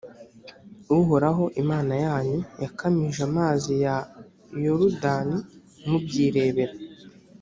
uhoraho, imana yanyu, yakamije amazi ya yorudani mubyirebera.